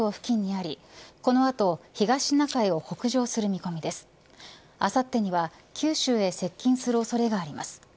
あさってには九州へ接近する恐れがあります。